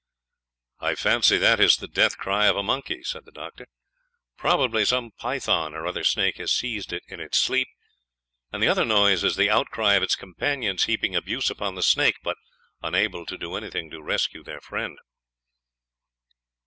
"I fancy that is the death cry of a monkey. Probably some python or other snake has seized it in its sleep; and the other noise is the outcry of its companions heaping abuse upon the snake, but unable to do anything to rescue their friend."